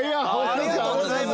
ありがとうございます。